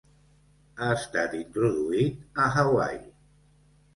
Ha estat introduït a Hawaii.